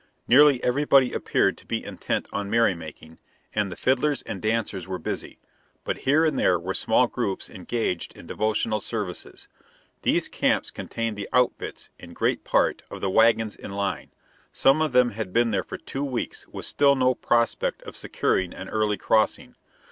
Nearly everybody appeared to be intent on merrymaking, and the fiddlers and dancers were busy; but here and there were small groups engaged in devotional services. These camps contained the outfits, in great part, of the wagons in line; some of them had been there for two weeks with still no prospect of securing an early crossing.